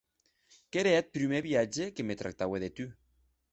Qu'ère eth prumèr viatge que me tractaue de tu.